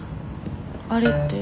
あれって？